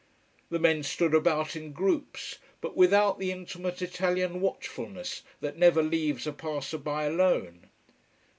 The men stood about in groups, but without the intimate Italian watchfulness that never leaves a passer by alone.